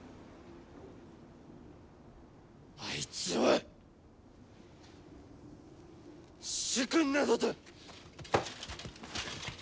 あいつを主君などと！